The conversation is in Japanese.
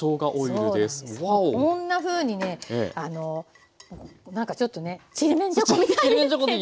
こんなふうにねなんかちょっとねちりめんじゃこみたいなんですけど。